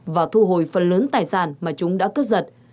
và thu hồi phần lớn tài sản mà chúng đã cướp giật